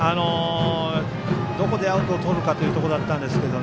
どこでアウトをとるかというところだったんですけど